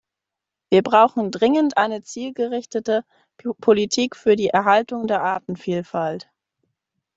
Wir brauchen dringend eine zielgerichtete Politik für die Erhaltung der Artenvielfalt.